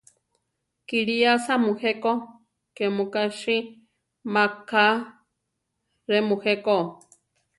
Kilí asá mujé ko; ke mu ka si maká rʼe mujé ko.